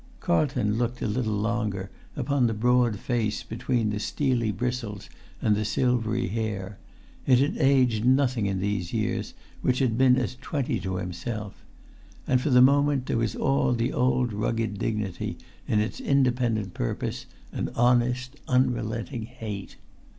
Carlton looked a little longer upon the broad face between the steely bristles and the silvery hair; it had aged nothing in these years which had been as twenty to himself; and for the moment there was all the old rugged dignity in its independent purpose and honest unrelenting hate.